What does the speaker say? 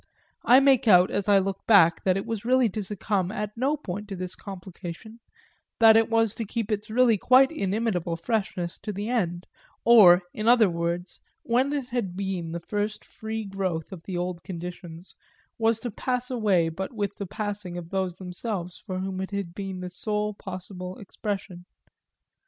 I make out as I look back that it was really to succumb at no point to this complication, that it was to keep its really quite inimitable freshness to the end, or, in other words, when it had been the first free growth of the old conditions, was to pass away but with the passing of those themselves for whom it had been the sole possible expression.